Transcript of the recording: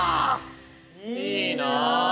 いいな。